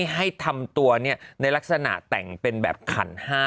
ให้ทำตัวในลักษณะแต่งเป็นแบบขัน๕